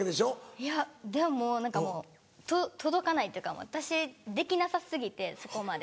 いやでも何かもう届かないっていうか私できなさ過ぎてそこまで。